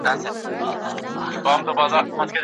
نصیب مي خپل دی که خواږه دي که ترخه تېرېږي.